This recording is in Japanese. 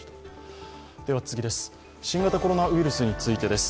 新型コロナウイルスについてです。